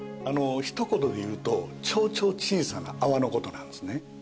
ひと言で言うと超々小さな泡の事なんですね。